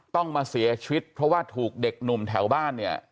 ต้องมาเสียชีวิตเพราะว่าถูกเด็กหนุ่มแถวบ้านเนี่ย